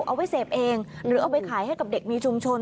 เอาไว้เสพเองหรือเอาไปขายให้กับเด็กมีชุมชน